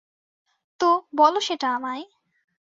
তো, বলো সেটা আমায়।